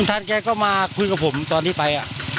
ท่านแกก็มาคุยกับผมตอนที่ไป